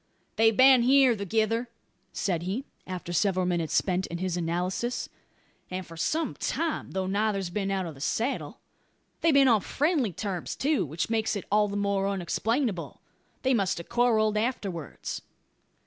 "They've been here thegither," said he, after several minutes spent in his analysis, "and for some time; though neither's been out of the saddle. They've been on friendly terms, too; which makes it all the more unexplainable. They must have quarrelled afterwards."